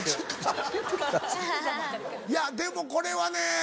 いやでもこれはね